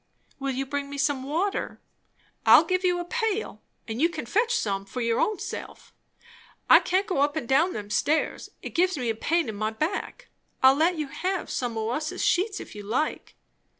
"Will you bring me some water?" "I'll give you a pail, and you can fetch some for your own self. I can't go up and down them stairs. It gives me a pain in my back. I'll let you have some o' us's sheets, if you like."